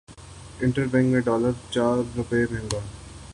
inter bank میں dollar چار روپے مہنگا